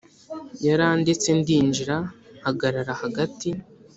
yarandetse ndinjira, mpagarara hagati